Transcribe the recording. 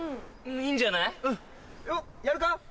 いいんじゃない？やるか？